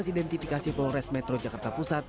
dan identifikasi polres metro jakarta pusat